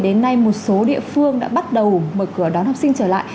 đến nay một số địa phương đã bắt đầu mở cửa đón học sinh trở lại